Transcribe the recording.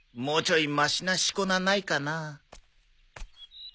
もうちょいましな四股名ないかなあ。